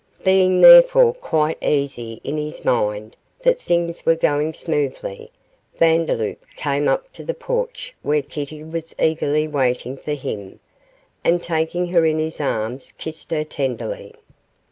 Being, therefore, quite easy in his mind that things were going smoothly, Vandeloup came up to the porch where Kitty was eagerly waiting for him, and taking her in his arms kissed her tenderly.